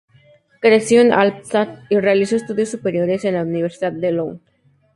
Creció en Halmstad y realizó estudios superiores en la Universidad de Lund.